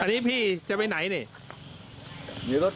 อันนี้พี่จะไปไหนนี่